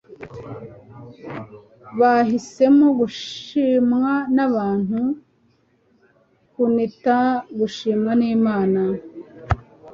Bahisemo gushimwa n'abantu kunita gushimwa n'Imana.